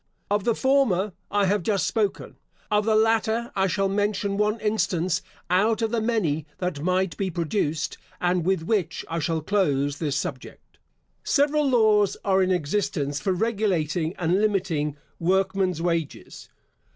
Of the former I have just spoken; of the latter I shall mention one instance out of the many that might be produced, and with which I shall close this subject. Several laws are in existence for regulating and limiting work men's wages.